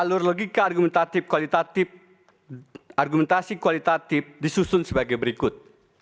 alur logika argumentasi kuantitatif disusun sebagai berikut